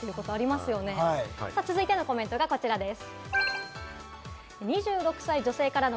続いてのコメントがこちらです。